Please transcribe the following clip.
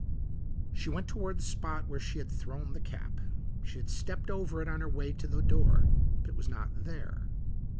She went toward the spot where she had thrown the cap she had stepped over it on her way to the door but it was not there.